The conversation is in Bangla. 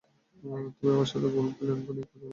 তুমি তার সাথে গোল্ড প্ল্যান নিয়ে কথা বলনি।